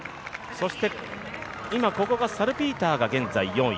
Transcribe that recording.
今、ここがサルピーターが現在４位。